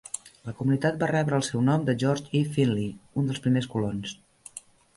La comunitat va rebre el seu nom de George E. Finley, un dels primers colons.